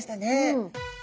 うん。